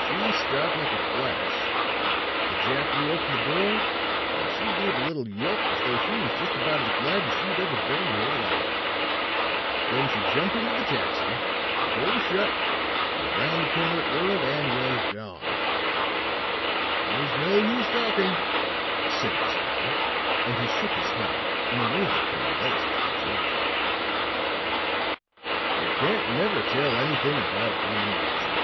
"She stopped like a flash, the Jap threw open the door, and she gave a little yelp as though she was just about as glad as she'd ever been in her life. Then she jumped into the taxi, the door shut and around the corner it whirled and was gone. There's no use talking," said the speaker and he shook his head in a way that convulsed the drug clerk, "you can't never tell anything about human nature."